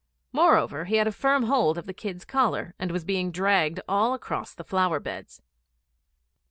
Moreover, he had firm hold of the kid's collar, and was being dragged all across the flower beds.